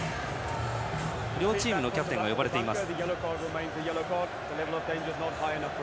両チームのキャプテンが呼ばれています。